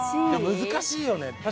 難しいよね。